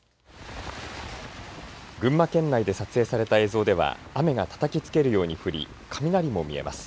群馬県内で撮影された映像では雨がたたきつけるように降り雷も見えます。